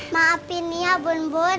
maafin nia bun bun